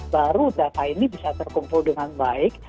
baru data ini bisa terkumpul dengan baik